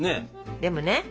でもね